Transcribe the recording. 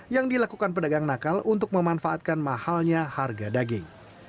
yang dilakukan pedagang nakal untuk memanfaatkan mahalnya harga daging